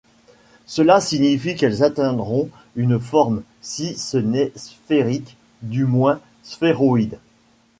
Cela signifie qu'elles atteindront une forme, si ce n'est sphérique, du moins sphéroïde.